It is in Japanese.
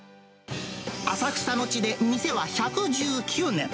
浅草の地で、店は１１９年。